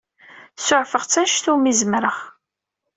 Suɛfeɣ-tt anect umi zemreɣ.